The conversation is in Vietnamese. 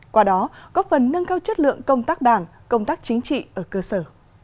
qua đó góp phần nâng cao chất lượng công tác đảng công tác chính trị ở cơ sở